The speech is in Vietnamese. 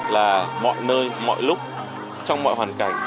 là mọi nơi mọi lúc trong mọi hoàn cảnh